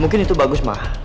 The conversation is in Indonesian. mungkin itu bagus ma